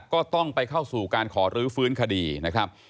ก็ต้องไปเข้าสู่การขอรื้อฟื้นคดีนะครับ